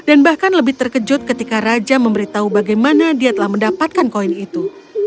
dan bahkan lebih terkejut ketika raja memberitahu bagaimana dia telah mendapatkan koin itu